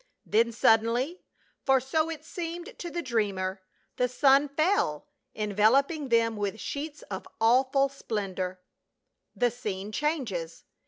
Then, suddenly — for so it seemed to the dreamer — the sun fell, enveloping them with sheets of awful splendor. The scene changes.